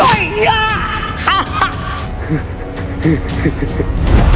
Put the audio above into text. สิบ